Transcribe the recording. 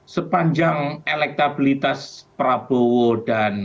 sepanjang elektabilitas prabowo dan p tiga